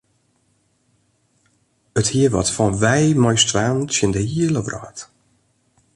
It hie wat fan wy mei ús twaen tsjin de hiele wrâld.